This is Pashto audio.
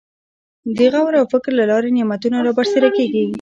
د غور او فکر له لارې نعمتونه رابرسېره کېږي.